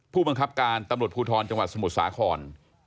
ผู้บังคับการตำรวจภูทรจังหวัดสมุทรสาคร